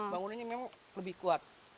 bangunannya memang lebih kuat